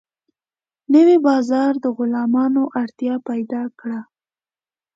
نوی بازار د غلامانو اړتیا پیدا کړه.